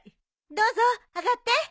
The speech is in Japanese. どうぞ上がって。